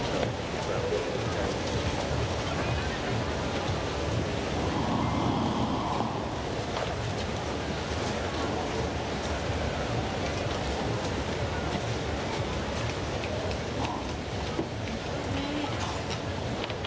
ถือว่าชีวิตที่ผ่านมายังมีความเสียหายแก่ตนและผู้อื่น